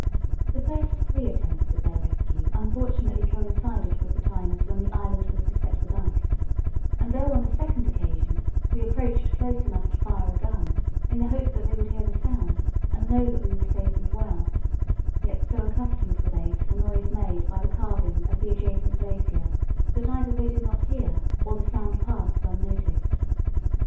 The first three attempts at their rescue unfortunately coincided with the times when the island was beset with ice, and though on the second occasion we approached close enough to fire a gun, in the hope that they would hear the sound and know that we were safe and well, yet so accustomed were they to the noise made by the calving of the adjacent glacier that either they did not hear or the sound passed unnoticed.